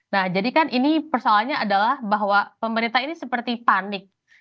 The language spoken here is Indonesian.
nah jadi kan ini persoalannya adalah bahwa pemerintah ini seperti panik